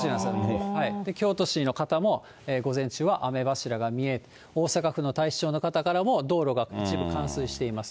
京都市の方も午前中は雨柱が三重、大阪府の太子町の方からも、道路が一部冠水しています。